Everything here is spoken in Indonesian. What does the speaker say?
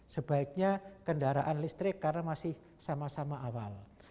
sebaiknya kendaraan listrik karena masih sama sama awal